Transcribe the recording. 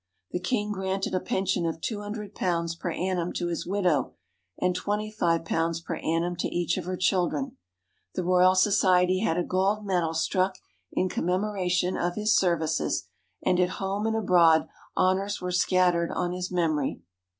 The king granted a pension of £200 per annum to his widow, and £25 per annum to each of her children; the Royal Society had a gold medal struck in commemoration of his services, and at home and abroad honors were scattered on his memory.